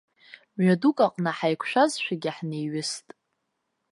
Мҩа дук аҟны ҳаиқәшәазшәагьы ҳнеиҩыст.